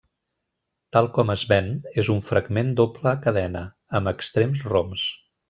Tal com es ven és un fragment doble cadena, amb extrems roms.